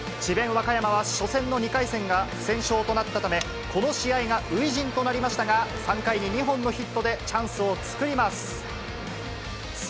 和歌山は初戦の２回戦が不戦勝となったため、この試合が初陣となりましたが、３回に２本のヒットでチャンスを作ります。